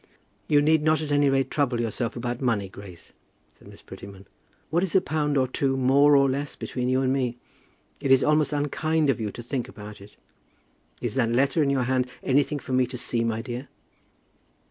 "You need not at any rate trouble yourself about money, Grace," said Miss Prettyman. "What is a pound or two more or less between you and me? It is almost unkind of you to think about it. Is that letter in your hand anything for me to see, my dear?"